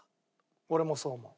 俺もそう思う。